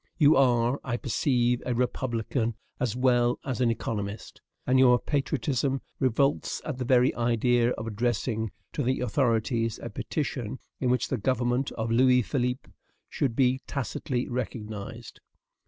You are, I perceive, a republican as well as an economist, and your patriotism revolts at the very idea of addressing to the authorities a petition in which the government of Louis Philippe should be tacitly recognized.